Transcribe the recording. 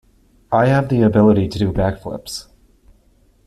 I have the ability to do backflips.